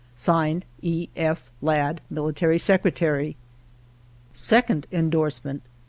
(Signed) E. F. Ladd, Military Secretary. 2d Endorsement.